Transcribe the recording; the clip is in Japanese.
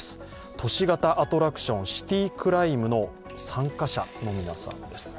都市型アトラクション、シティクライムの参加者の皆さんです。